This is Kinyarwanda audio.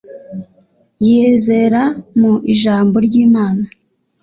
yizera mu ijambo ry'Imana